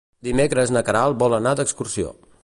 Dimecres na Queralt vol anar d'excursió.